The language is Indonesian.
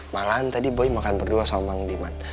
malahan tadi boy makan berdua sambal mengundiman